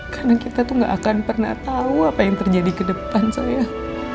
karena kita tuh gak akan pernah tahu apa yang terjadi kedepan sayang